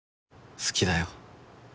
好きだよ